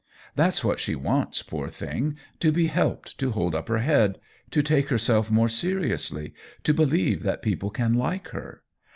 That's what she wants, poor thing — to be helped to hold up her head, to take herself more seriously, to believe that peo ple can like her.